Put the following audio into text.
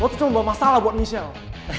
lo tuh cuma bawa masalah buat michelle